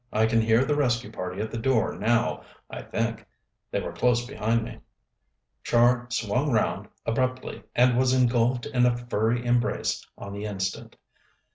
I can hear the rescue party at the door now, I think. They were close behind me." Char swung round abruptly, and was engulfed in a furry embrace on the instant.